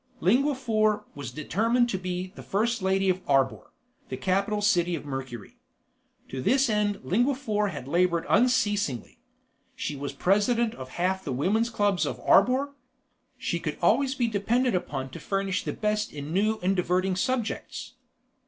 Lingua Four was determined to be the first lady of Arbor, the capital city of Mercury. To this end Lingua Four had labored unceasingly. She was president of half the women's clubs of Arbor. She could always be depended upon to furnish the best in new and diverting subjects.